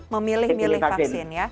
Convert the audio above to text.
memilih milih vaksin ya